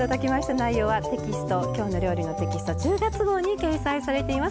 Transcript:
内容は「きょうの料理」テキスト１０月号に掲載されています。